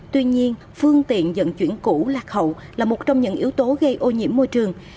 tuy nhiên phương tiện dận chuyển cũ lạc hậu là một trong những yếu tố gây ô nhiễm môi trường